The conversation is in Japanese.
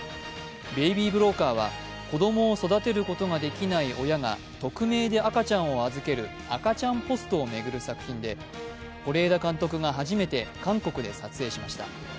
「ベイビー・ブローカー」は子供を育てることのできない親が匿名で赤ちゃんを預ける赤ちゃんポストを巡る作品で是枝監督が初めて韓国で撮影しました。